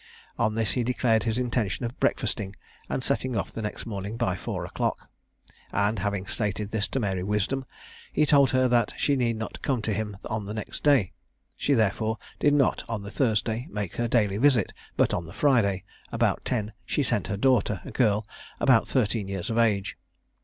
On this he declared his intention of breakfasting and setting off the next morning by four o'clock; and having stated this to Mary Wisdom, he told her that she need not come to him on the next day. She, therefore, did not on the Thursday make her daily visit; but on the Friday, about ten, she sent her daughter, a girl about thirteen years of age.